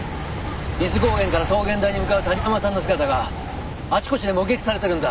伊豆高原から桃源台に向かう谷浜さんの姿があちこちで目撃されてるんだ。